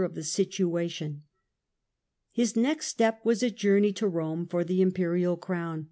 of the situation. His next step was a journey to Eome Rome^fsM^^^' the Imperial crown.